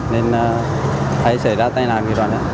nên hay xảy ra tai nạn